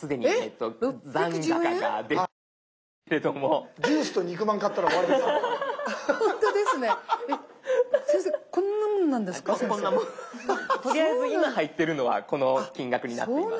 とりあえず今入ってるのはこの金額になっています。